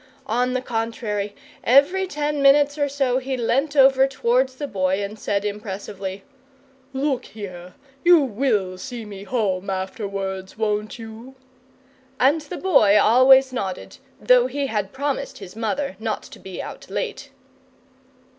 On the contrary, every ten minutes or so he leant over towards the Boy and said impressively: "Look here! you WILL see me home afterwards, won't you?" And the Boy always nodded, though he had promised his mother not to be out late.